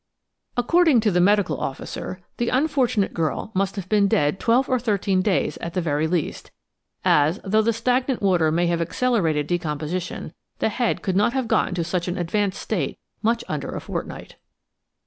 According to the medical officer, the unfortunate girl must have been dead twelve or thirteen days at the very least, as, though the stagnant water may have accelerated decomposition, the head could not have got into such an advanced state much under a fortnight.